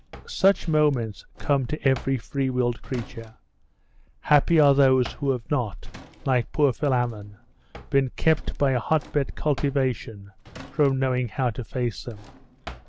Such moments come to every free willed creature. Happy are those who have not, like poor Philammon, been kept by a hotbed cultivation from knowing how to face them?